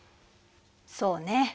そうね。